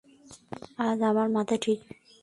আজ আমার মাথা ঠিক নেই।